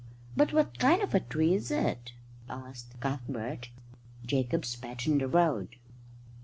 "But what kind of a tree is it?" asked Cuthbert. Jacob spat in the road.